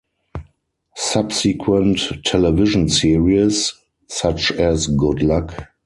Subsequent television series, such as Good Luck!!